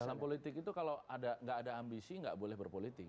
dalam politik itu kalau nggak ada ambisi nggak boleh berpolitik